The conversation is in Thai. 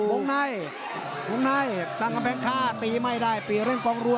ลุงไนลุงไนตั้งกำแพงท่าตีไม่ได้ตีเล่นกองรัว